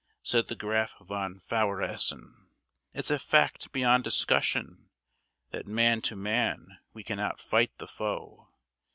Said the Graf von Feuer Essen, "It's a fact beyond discussion, That man to man we can outfight the foe.